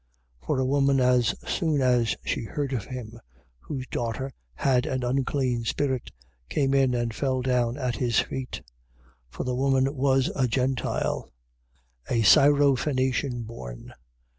7:25. For a woman as soon as she heard of him, whose daughter had an unclean spirit, came in and fell down at his feet. 7:26. For the woman was a Gentile, a Syrophenician born.